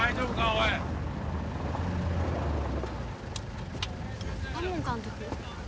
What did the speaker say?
おい賀門監督？